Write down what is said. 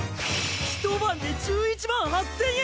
ひと晩で１１万８０００円。